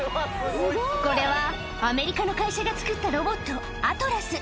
これは、アメリカの会社がつくったロボット、アトラス。